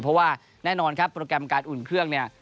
เพราะว่าแน่นอนครับโปรแกรมการอุ่นเครื่องเนี่ย